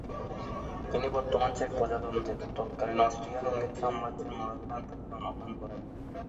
তিনি বর্তমান চেক প্রজাতন্ত্রের, তৎকালীন অস্ট্রিয়া-হাঙ্গেরি সাম্রাজ্যের মোরাভিয়া অঞ্চলে জন্মগ্রহণ করেন।